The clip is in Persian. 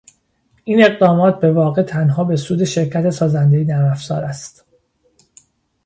این اقدامات به واقع تنها به سود شرکت سازنده نرمافزار است